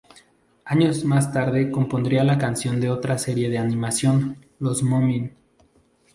Años más tarde compondría la canción de otra serie de animación, Los Moomin.